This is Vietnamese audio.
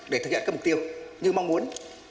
để thực hiện các mục tiêu như mong muốn